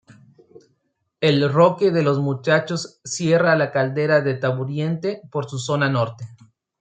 El Roque de los Muchachos cierra la Caldera de Taburiente por su zona norte.